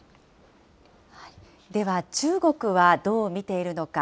では中国はどう見ているのか。